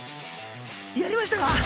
やりましたか！